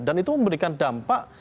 dan itu memberikan dampak